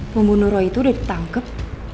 pembunuh roy itu udah ditangkap